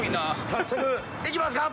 早速いきますか？